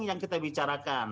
itu yang kita bicarakan